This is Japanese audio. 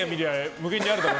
無限にあるだろ。